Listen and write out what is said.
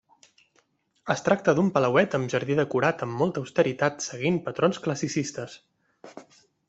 Es tracta d'un palauet amb jardí decorat amb molta austeritat seguint patrons classicistes.